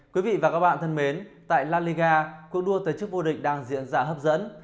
quý vị và các bạn thân mến tại la liga cuộc đua tới trước vua địch đang diễn ra hấp dẫn